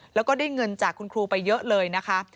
แล้วก็ได้เงินจากคุณครูไปเยอะเลยนะคะ